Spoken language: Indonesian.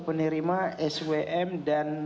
penerima swm dan